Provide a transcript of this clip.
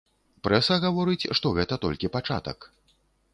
Прэса гаворыць, што гэта толькі пачатак.